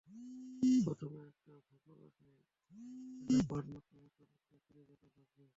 প্রথমে একটা ভগ্নদশায় থাকা পাঁড় মাতালকে খুঁজে বের করা লাগবে।